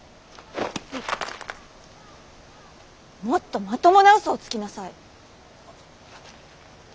もっとまともな嘘をつきなさい！